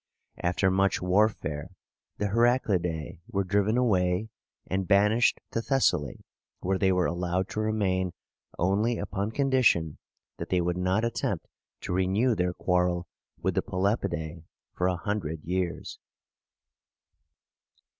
After much warfare, the Heraclidæ were driven away, and banished to Thessaly, where they were allowed to remain only upon condition that they would not attempt to renew their quarrel with the Pelopidæ for a hundred years.